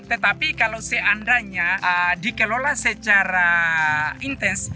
tetapi kalau seandainya dikelola secara intens